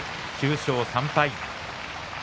９勝３敗。